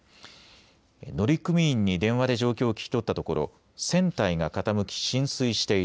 乗組員に電話で状況を聞き取ったところ船体が傾き浸水している。